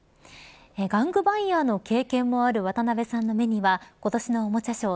玩具バイヤーの経験もある渡辺さんの目には今年のおもちゃショー